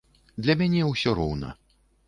Для мяне ўсё роўна.